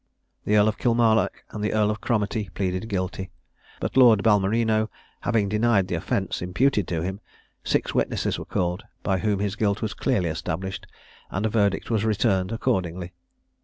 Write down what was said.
The Earl of Kilmarnock and the Earl of Cromartie pleaded guilty; but Lord Balmerino having denied the offence imputed to him, six witnesses were called, by whom his guilt was clearly established, and a verdict was returned accordingly.